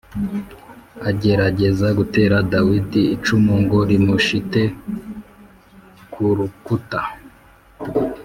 agerageza gutera Dawidi icumu ngo rimushite ku rukuta